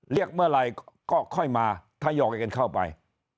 เรียกเมื่อไหร่ก็ค่อยมาทยอยกันเข้าไป